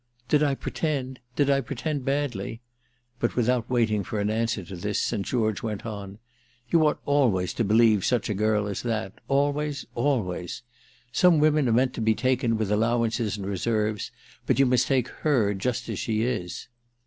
"Did I pretend? did I pretend badly?" But without waiting for an answer to this St. George went on: "You ought always to believe such a girl as that—always, always. Some women are meant to be taken with allowances and reserves; but you must take her just as she is."